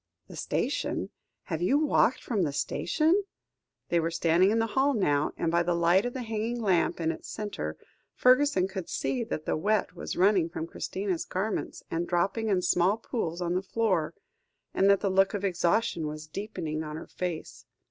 "The station? Have you walked from the station?" They were standing in the hall now, and by the light of a hanging lamp in its centre, Fergusson could see that the wet was running from Christina's garments, and dropping in small pools on the floor, and that the look of exhaustion was deepening on her face.